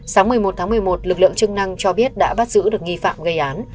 sáng một mươi một tháng một mươi một lực lượng chức năng cho biết đã bắt giữ được nghi phạm gây án